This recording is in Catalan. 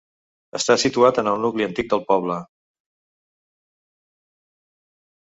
Està situat en el nucli antic del poble.